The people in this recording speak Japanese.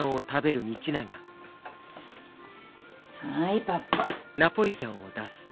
はいパパ。